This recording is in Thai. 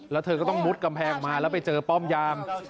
แล้วเธอก็ต้องมุดกำแพงออกมาแล้วไปเจอป้อมยาม